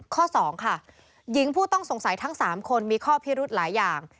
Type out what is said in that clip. ข้อ๒ค่ะหญิงผู้ต้องสงสัยทั้ง๓คนมีข้อพิรุธหลายอย่าง